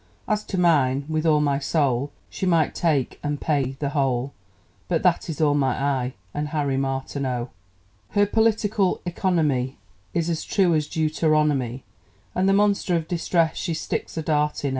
As to mine, with all my soul, She might take (and pay) the whole But that is all my eye and Harry Martineau! Her political economy Is as true as Deuteronomy; And the monster of Distress she sticks a dart in, O!